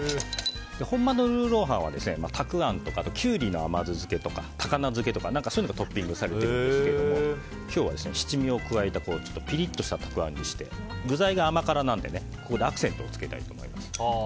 本場のルーロー飯はたくあんとかきゅうりの甘酢漬けとか高菜漬けとかがトッピングされていますけれども今日は七味を加えてピリッとしたたくあんにして具材が甘辛なのでここでアクセントをつけたいと思います。